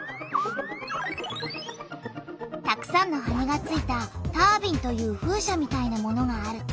たくさんの羽がついた「タービン」という風車みたいなものがある。